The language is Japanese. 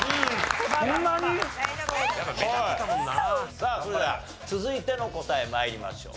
さあそれでは続いての答え参りましょう。